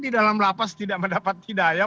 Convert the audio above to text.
di dalam lapas tidak mendapat hidayah